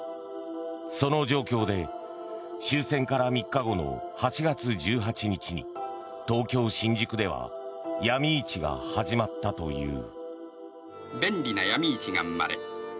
その状況で終戦から３日後の８月１８日に東京・新宿ではヤミ市が始まったという。